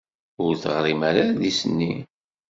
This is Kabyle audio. Ur teɣrim ara adlis-nni.